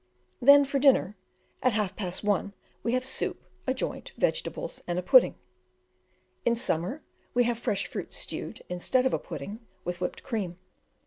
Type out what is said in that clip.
Then, for dinner, at half past one, we have soup, a joint, vegetables, and a pudding; in summer, we have fresh fruit stewed, instead of a pudding, with whipped cream.